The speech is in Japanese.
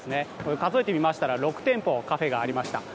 数えてみましたら、６店舗カフェがありました。